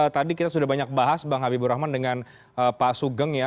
tadi kita sudah banyak bahas bang habibur rahman dengan pak sugeng ya